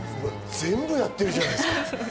全部やってるじゃないですか。